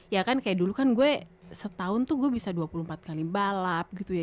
ya kan kayak dulu kan gue setahun tuh gue bisa dua puluh empat kali balap gitu ya